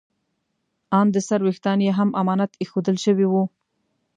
ان د سر ویښتان یې هم امانت ایښودل شوي وو.